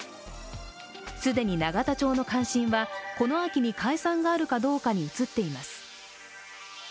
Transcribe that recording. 既に永田町の関心はこの秋に解散があるかどうかに移っています。